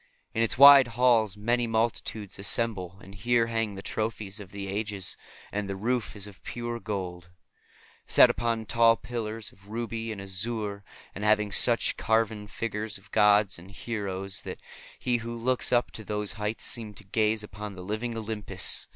In its wide halls may multitudes assemble, and here hang the trophies of the ages. And the roof is of pure gold, set upon tall pillars of ruby and azure, and having such carven figures of gods and heroes that he who looks up to those heights seems to gaze upon the living Olympus.